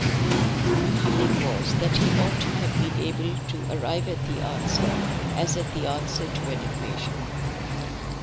The feeling was that he ought to have been able to arrive at the answer as at the answer to an equation.